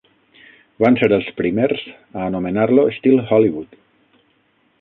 Van ser els primers a anomenar-lo "Estil Hollywood".